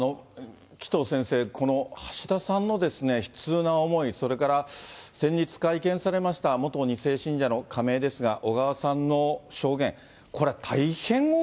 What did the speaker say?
紀藤先生、この橋田さんの悲痛な思い、それから先日、会見されました元２世信者の仮名ですが小川さんの証言。